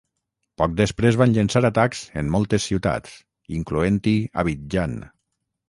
Poc després van llençar atacs en moltes ciutats, incloent-hi Abidjan.